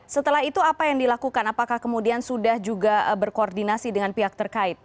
setelah itu apa yang dilakukan apakah kemudian sudah juga berkoordinasi dengan pihak terkait